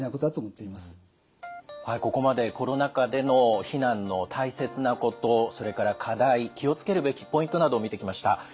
はいここまでコロナ禍での避難の大切なことそれから課題気を付けるべきポイントなどを見てきました。